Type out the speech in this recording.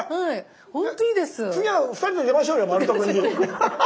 次は２人で出ましょうよ「まる得」に。